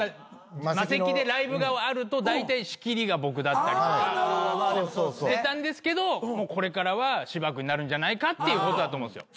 マセキでライブがあるとだいたい仕切りが僕だったりしてたんですけどこれからは芝君になるんじゃないかっていうことだと思うんですよ。